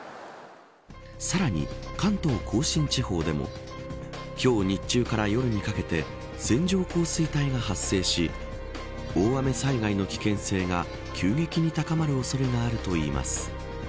さらに、関東甲信地方でも今日日中から夜にかけて線状降水帯が発生し大雨災害の危険性が急激に高まる恐れがあるといいます。